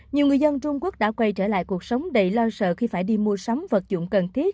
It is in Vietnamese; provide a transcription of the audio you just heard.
nhiều người dân trung quốc đã quay trở lại cuộc sống đầy lo sợ khi phải đi mua sắm vật dụng cần thiết